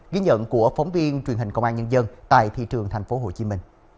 ghi nhận của phóng viên truyền hình công an nhân dân tại thị trường tp hcm